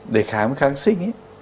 đề kháng với kháng sinh ý